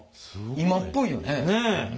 今っぽいよね。ね！